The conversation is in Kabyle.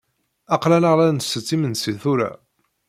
Aql-aneɣ la nsett imensi tura.